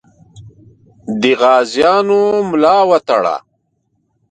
د غازیانو ملا وتړه.